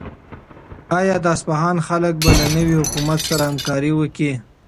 آیا د اصفهان خلک به له نوي حکومت سره همکاري وکړي؟